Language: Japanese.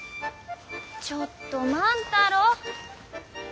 ちょっと万太郎。